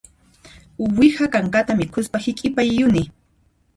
Uwiha kankata mikhuspa hiq'ipayuni